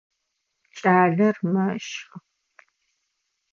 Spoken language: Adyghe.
Кӏалэр мэщхы.